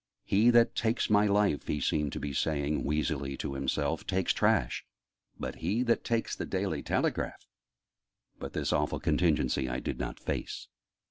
"He that takes my life," he seemed to be saying, wheezily, to himself, "takes trash: But he that takes the Daily Telegraph !" But this awful contingency I did not face.